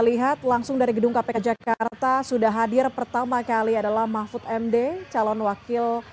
lihat langsung dari gedung kpk jakarta sudah hadir pertama kali adalah mahfud md calon wakil